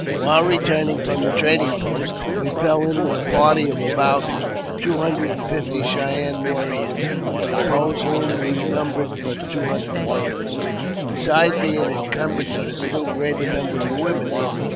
While returning from the trading post, we fell in with a party of about two hundred and fifty Cheyenne warriors, to oppose whom we numbered but two hundred warriors, besides being encumbered with a still greater number of women.